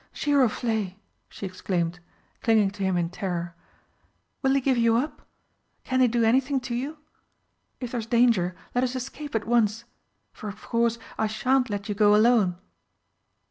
"Giroflé!" she exclaimed, clinging to him in terror, "will he give you up can they do anything to you? If there's danger, let us escape at once for of course I shan't let you go alone!"